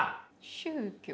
宗教？